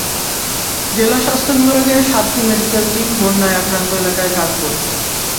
জেলা স্বাস্থ্য বিভাগের সাতটি মেডিকেল টিম বন্যায় আক্রান্ত এলাকায় কাজ করছে।